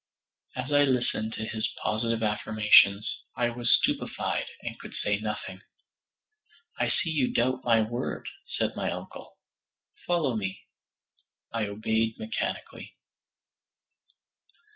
As I listened to his positive affirmations, I was stupefied and could say nothing. "I see you doubt my word," said my uncle; "follow me." I obeyed mechanically.